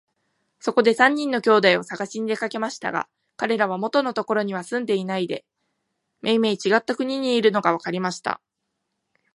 そこで三人の兄弟をさがしに出かけましたが、かれらは元のところには住んでいないで、めいめいちがった国にいるのがわかりました。